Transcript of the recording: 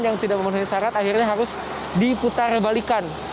yang tidak memenuhi syarat akhirnya harus diputar balikan